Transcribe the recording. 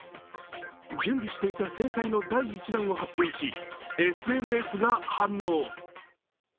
準備していた制裁の第１弾を発表しＳＮＳが反応。